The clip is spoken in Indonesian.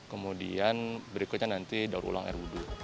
kemudian berikutnya nanti daur ulang air wudhu